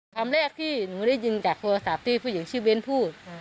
คำแรกที่หนูได้ยินจากโทรศัพท์ที่ผู้หญิงชื่อเบ้นพูด